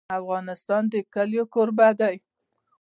افغانستان د کلي کوربه دی.